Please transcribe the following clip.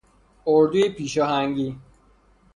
اردوی پیشاهنگی